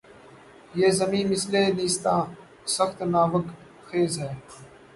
یہ زمیں مثلِ نیستاں‘ سخت ناوک خیز ہے